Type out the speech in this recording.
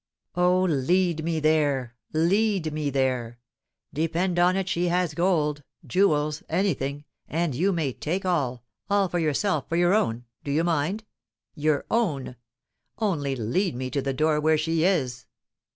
Oh, lead me there lead me there; depend on it she has gold, jewels, anything, and you may take all, all for yourself, for your own, do you mind? your own; only lead me to the door where she is."